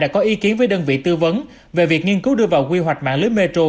đã có ý kiến với đơn vị tư vấn về việc nghiên cứu đưa vào quy hoạch mạng lưới metro